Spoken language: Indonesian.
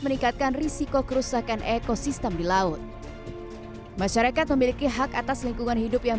meningkatkan risiko kerusakan ekosistem di laut masyarakat memiliki hak atas lingkungan hidup yang